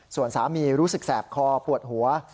ส่วนสามีรู้สึกแสบคอปวดหัว